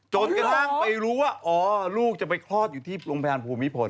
จนกระทั่งไปรู้ว่าอ๋อลูกจะไปคลอดอยู่ที่โรงพยาบาลภูมิพล